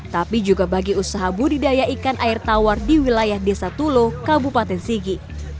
tapi juga bagi usaha budidaya ikan air tawar di wilayah desa tulo kabupaten sigi